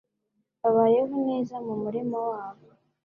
Babayeho neza mu murima wabo.